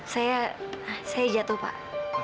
saya saya jatuh pak